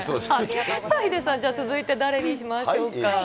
さあヒデさん、続いて誰にしましょうか。